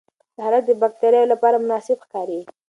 دا حالت د باکټریاوو لپاره مناسب ښکاري.